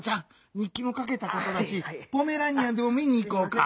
にっきもかけたことだしポメラニアンでも見にいこうか？